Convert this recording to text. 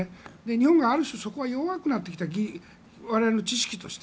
日本がある種、そこは弱くなってきた我々の知識として。